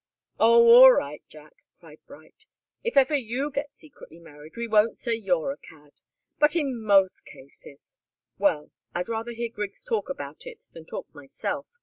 "Oh all right, Jack!" cried Bright. "If ever you get secretly married, we won't say you're a cad. But in most cases well, I'd rather hear Griggs talk about it than talk myself.